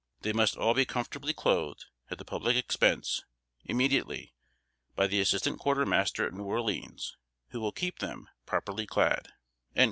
They must all be comfortably clothed, at the public expense, immediately, by the Assistant Quarter Master at New Orleans, who will keep them properly clad."